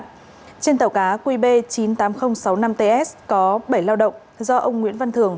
trên tàu cá qb chín mươi tám nghìn sáu mươi năm ts có bảy lao động do ông nguyễn văn thường